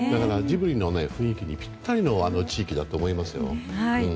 ジブリの雰囲気にぴったりの地域だと思いますよ。